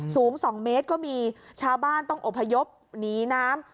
สูง๒เมตรก็มีชาวบ้านต้องอบพยพหนีน้ำ